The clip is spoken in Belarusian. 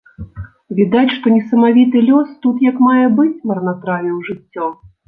Відаць, што несамавіты лёс тут як мае быць марнатравіў жыццё.